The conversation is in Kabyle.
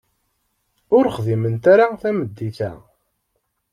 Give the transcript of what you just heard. Ur xdiment ara tameddit-a.